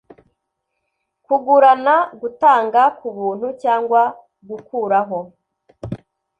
kugurana gutanga ku buntu cyangwa gukuraho